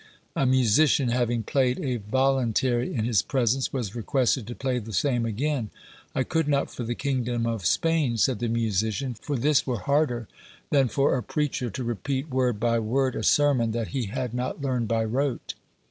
A musician having played a voluntary in his presence, was requested to play the same again. "I could not for the kingdom of Spain," said the musician, "for this were harder than for a preacher to repeat word by word a sermon that he had not learned by rote."